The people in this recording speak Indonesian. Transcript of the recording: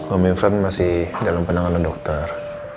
om mirvan masih dalam penanganan dokter